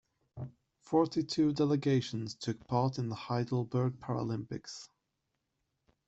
Forty-two delegations took part in the Heidelberg Paralympics.